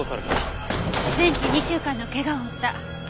全治２週間の怪我を負った。